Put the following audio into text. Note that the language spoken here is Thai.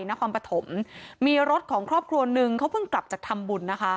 นครปฐมมีรถของครอบครัวนึงเขาเพิ่งกลับจากทำบุญนะคะ